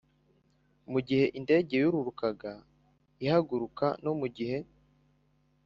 gihe indege yururuka ihaguruka no mu gihe